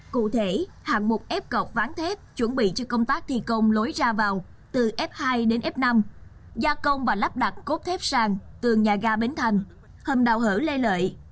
cụ thể hạng mục ép cọp ván thép chuẩn bị cho công tác thi công lối ra vào từ f hai đến f năm gia công và lắp đặt cốt thép sàng tường nhà ga bến thành hầm đào hở lê lợi